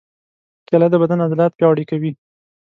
کېله د بدن عضلات پیاوړي کوي.